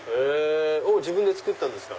自分で作ったんですか？